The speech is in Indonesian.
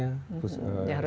ya harus ada sekolahnya